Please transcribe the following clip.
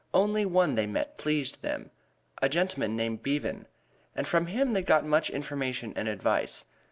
Only one they met pleased them: a gentleman named Bevan, and from him they got much information and advice.